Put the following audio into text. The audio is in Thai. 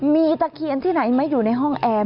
มีตะเคียนที่ไหนมาอยู่ในห้องแอร์